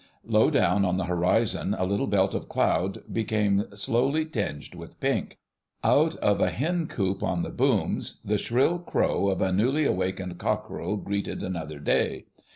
Low down on the horizon a little belt of cloud became slowly tinged with pink. Out of a hen coop on the booms the shrill crow of a newly awakened cockerel greeted another day.